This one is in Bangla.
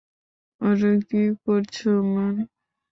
আরে, কি করছো ম্যান?